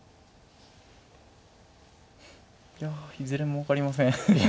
いやいずれも分かりません。